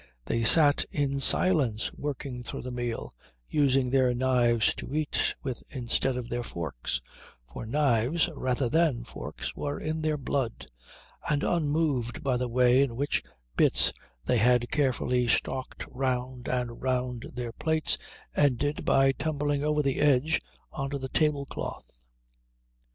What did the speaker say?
They sat in silence working through the meal, using their knives to eat with instead of their forks, for knives rather than forks were in their blood, and unmoved by the way in which bits they had carefully stalked round and round their plates ended by tumbling over the edge on to the tablecloth.